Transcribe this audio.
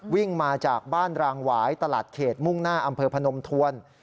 วิ่งมาจากบ้านรางหวายตลาดเขตมุ่งหน้าอำเภอพนมทวน